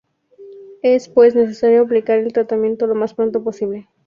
Es, pues, necesario aplicar el tratamiento lo más pronto posible.